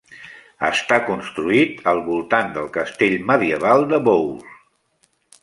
Està construït al voltant del castell medieval de Bowes.